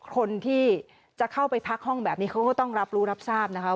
คนที่จะเข้าไปพักห้องแบบนี้เขาก็ต้องรับรู้รับทราบนะคะ